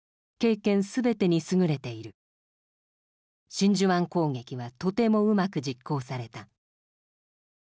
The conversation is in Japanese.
真珠湾攻撃はとてもうまく実行された」。